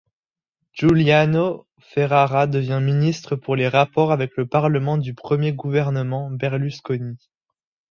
Giuliano Ferrara devient ministre pour les Rapports avec le Parlement du premier gouvernement Berlusconi.